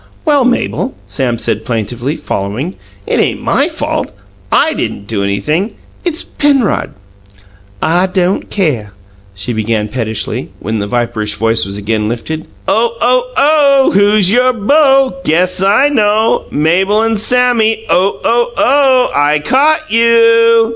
"Well, Mabel," Sam said plaintively, following, "it ain't MY fault. I didn't do anything. It's Penrod." "I don't care," she began pettishly, when the viperish voice was again lifted: "Oh, oh, oh! Who's your beau? Guess I know: Mabel and Sammy, oh, oh, oh! I caught you!"